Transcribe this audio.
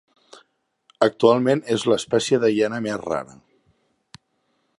Actualment és l'espècie de hiena més rara.